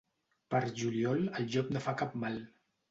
Per juliol, el llop no fa cap mal.